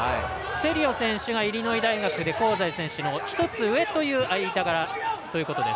セリオ選手がイリノイ大学で香西選手の１つ上という間柄ということです。